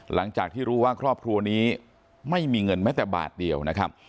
หลังจากที่รู้ว่าครอบครัวนี้ไม่มีเงินแม้แต่บาทเดียวนะครับ